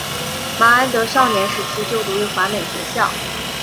麻安德少年时期就读于华美学校。